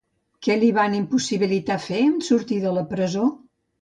Què li van impossibilitar fer en sortir de la presó?